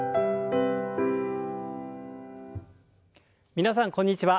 皆さんこんにちは。